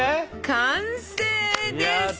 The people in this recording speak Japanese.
完成です！